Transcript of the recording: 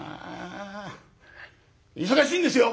忙しいんですよ！